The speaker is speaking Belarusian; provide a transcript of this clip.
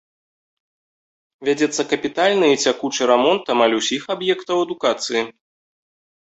Вядзецца капітальны і цякучы рамонт амаль усіх аб'ектаў адукацыі.